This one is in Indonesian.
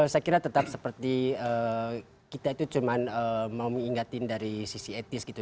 saya kira tetap seperti kita itu cuma mau mengingatkan dari sisi etis gitu